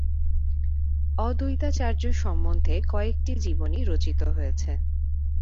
অদ্বৈতাচার্য সম্বন্ধে কয়েকটি জীবনী রচিত হয়েছে।